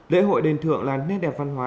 lễ hội đền thượng là nét đẹp văn hóa